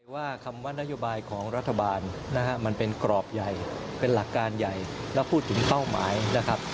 ว่าคำว่านโยบายของรัฐบาลนะฮะมันเป็นกรอบใหญ่เป็นหลักการใหญ่แล้วพูดถึงเป้าหมายนะครับ